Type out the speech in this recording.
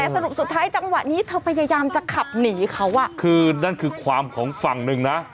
สรุปสุดท้ายจังหวะนี้เธอพยายามจะขับหนีเขาอ่ะคือนั่นคือความของฝั่งหนึ่งนะ